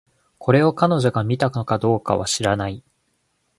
これを、彼女が見たのかどうかは知らない